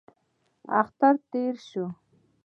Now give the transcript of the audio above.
اختر تېر شو.